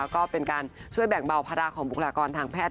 ก็เป็นการช่วยแบ่งเบาภาระของบุคลากรทางแพทย